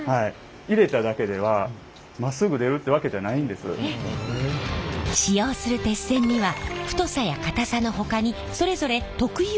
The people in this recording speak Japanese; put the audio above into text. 鉄線って使用する鉄線には太さや硬さのほかにそれぞれ特有のクセがあります。